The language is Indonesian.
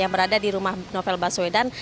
yang berada di rumah novel baswedan